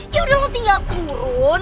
ya udah tinggal turun